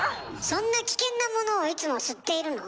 そんな危険なものをいつも吸っているの？